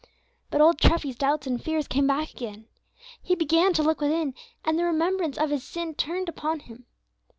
But old Treffy's doubts and fears came back again. He began to look within, and the remembrance of his sin returned upon him.